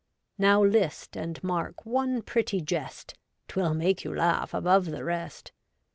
Now list and mark one pretty jest, 'Twill make you laugh above the rest.